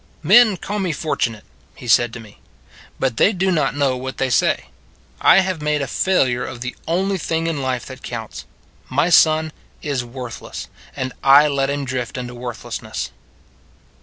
" Men call me fortunate," he said to me, " but they do not know what they say. I have made a failure of the only thing in life that counts. My son is worthless and I let him drift into worthlessness."